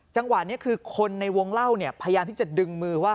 จังหวะนี้คือคนในวงเล่าเนี่ยพยายามที่จะดึงมือว่า